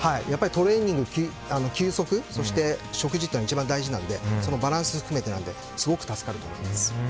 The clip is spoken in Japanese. トレーニング、休息そして食事は一番大事なのでそのバランスを含めてなのですごく助かると思います。